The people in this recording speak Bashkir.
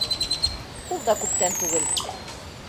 Ул да күптән түгел: